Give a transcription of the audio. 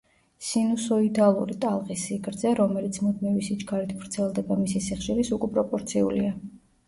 სინუსოიდალური ტალღის სიგრძე, რომელიც მუდმივი სიჩქარით ვრცელდება მისი სიხშირის უკუპროპორციულია.